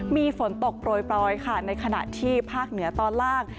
มีฝนตกโปรยปลายค่ะในขณะที่ภาคเหนือตอนล่าง